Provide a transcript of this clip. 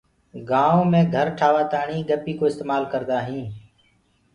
گآئونٚ مي گھر ٺآوآ تآڻي گَپي ڪو استمآل ڪردآ هينٚ۔